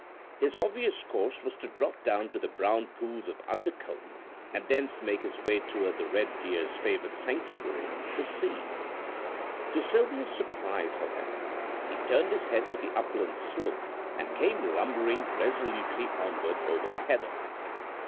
His obvious course was to drop down to the brown pools of Undercombe, and thence make his way towards the red deer's favoured sanctuary, the sea. To Sylvia's surprise, however, he turned his head to the upland slope and came lumbering resolutely onward over the heather.